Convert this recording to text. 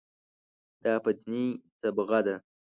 دا په دیني صبغه ده.